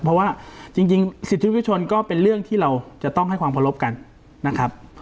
เพราะว่าจริงสิทธิวิชนก็เป็นเรื่องที่เราจะต้องให้ความเคารพกันนะครับ